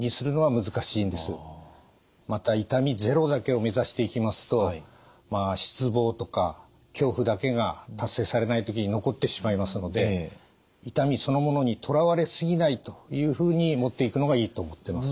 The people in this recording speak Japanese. また痛みゼロだけをめざしていきますと失望とか恐怖だけが達成されない時に残ってしまいますので痛みそのものにとらわれ過ぎないというふうにもっていくのがいいと思ってます。